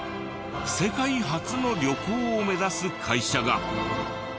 世界初の旅行を目指す会社が！